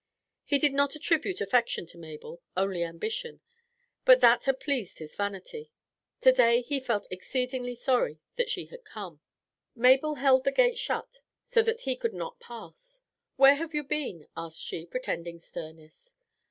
He did not attribute affection to Mabel, only ambition; but that had pleased his vanity. To day he felt exceedingly sorry that she had come. Mabel held the gate shut so that he could not pass. "Where have you been?" asked she, pretending sternness.